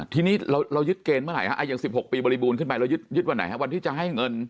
ทีนี้เรายึดเกณฑ์เมื่อไหร่อย่าง๑๖ปีบริบูรณ์ขึ้นไปเรายึดวันไหนฮะวันที่จะให้เงิน